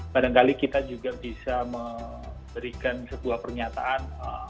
barangkali kita juga bisa memberikan sebuah pernyataan